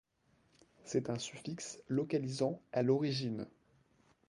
C'est un suffixe localisant à l'origine.